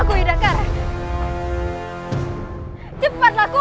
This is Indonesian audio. kenapa kau melarangku